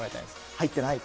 入ってないって。